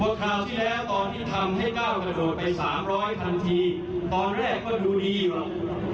คราวที่แล้วตอนที่ทำให้ก้าวกระโดดไป๓๐๐ทันทีตอนแรกก็ดูดีอยู่หรอก